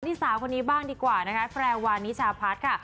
ที่สาวคนนี้บ้างดีกว่านะคะแพรวานิชาพัฒน์ค่ะ